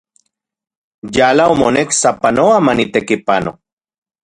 Yala omonek sapanoa manitekipano.